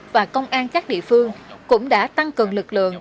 và công an các địa phương cũng đã tăng cường lực lượng